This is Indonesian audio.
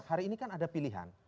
hari ini kan ada pilihan